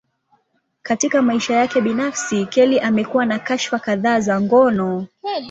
Katika maisha yake binafsi, Kelly amekuwa na kashfa kadhaa za ngono.